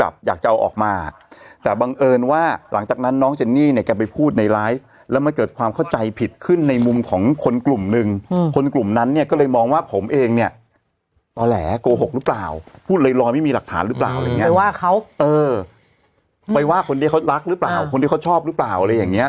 ไปว่าคนเดียวเขารักหรือเปล่าคนเดียวเขาชอบหรือเปล่าอะไรอย่างเงี้ย